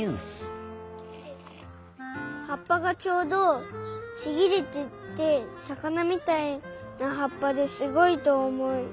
はっぱがちょうどちぎれててさかなみたいなはっぱですごいとおもいました。